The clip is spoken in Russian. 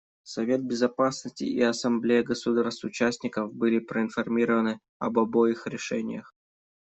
Совет Безопасности и Ассамблея государств-участников были проинформированы об обоих решениях.